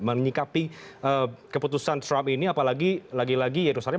menyikapi keputusan trump ini apalagi lagi lagi yerusalem